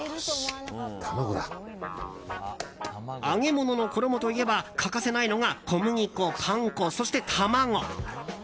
揚げ物の衣といえば欠かせないのが小麦粉、パン粉そして卵。